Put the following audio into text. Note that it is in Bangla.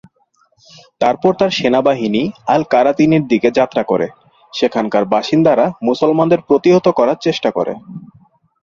তারপর তাঁর সেনাবাহিনী আল-কারাতিনের দিকে যাত্রা করে, সেখানকার বাসিন্দারা মুসলমানদের প্রতিহত করার চেষ্টা করে।